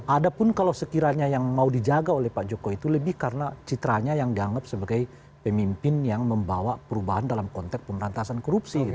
ada pun kalau sekiranya yang mau dijaga oleh pak jokowi itu lebih karena citranya yang dianggap sebagai pemimpin yang membawa perubahan dalam konteks pemberantasan korupsi